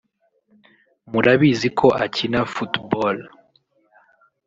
murabizi ko akina football